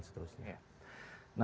dan seterusnya dan seterusnya